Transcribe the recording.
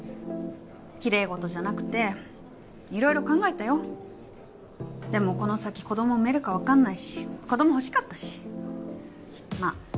きれい事じゃなくて色々考えたよでもこの先子供産めるか分かんないし子供欲しかったしまあ